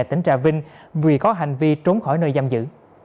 tỉnh trà vinh vì có hành vi trốn khỏi nơi giam giữ